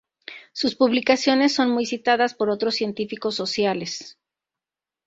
Sus publicaciones son muy citadas por otros científicos sociales.